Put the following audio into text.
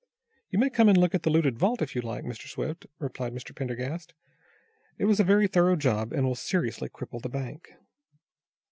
"You may come and look at the looted vault, if you like, Mr. Swift," replied Mr. Pendergast. "It was a very thorough job, and will seriously cripple the bank."